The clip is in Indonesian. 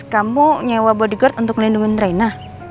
kamu nyewa bodyguard untuk melindungi rena